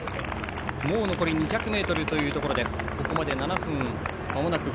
もう、残り２００ｍというところ。